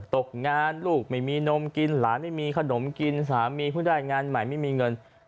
ตกงานลูกไม่มีนมกินหลานไม่มีขนมกินสามีเพิ่งได้งานใหม่ไม่มีเงิน